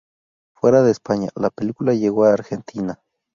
Fuera de España, la película llegó a Argentina.